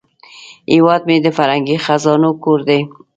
هیواد مې د فرهنګي خزانو کور دی